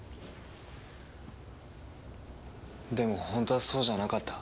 でもホントはそうじゃなかった。